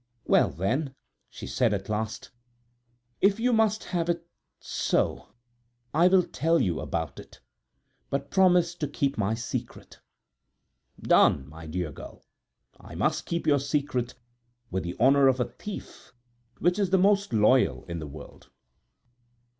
"Well, then," she said, at last, "if you must have it so, I will tell you about it; but promise to keep my secret!" "Done! my dear girl, I must keep your secret with the honor of a thief, which is the most loyal in the world."